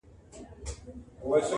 • وجدان او وېره ورسره جنګېږي تل,